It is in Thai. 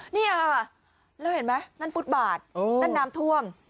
นี่อ่ะแล้วเห็นไหมนั่นน้ำท่วม